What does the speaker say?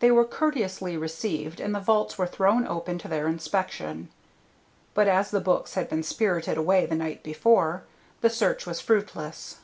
They were courteously received and the vaults were thrown open to their inspection; but as the books had been spirited away the night before, the search was fruitless.